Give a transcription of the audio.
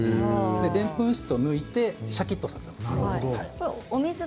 でんぷん質を抜いてしゃきっとさせます。